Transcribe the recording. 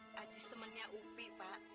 pak ajis temannya upi pak